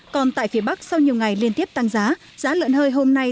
còn tại phía bắc sau nhiều ngày liên tiếp tăng giá giá lợn hơi hôm nay